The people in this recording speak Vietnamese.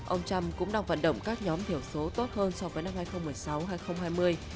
ông trump cũng đang vận động các nhóm thiểu số tốt hơn so với năm hai nghìn một mươi sáu hai nghìn hai mươi